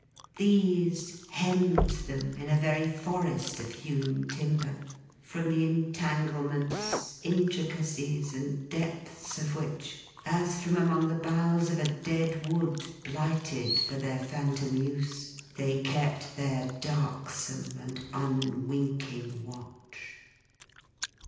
These hemmed them, in a very forest of hewn timber; from the entanglements, intricacies, and depths of which, as from among the boughs of a dead wood blighted for their phantom use, they kept their darksome and unwinking watch.